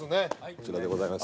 こちらでございます。